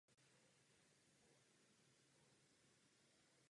Květenství jsou úžlabní nebo vrcholové hrozny či laty.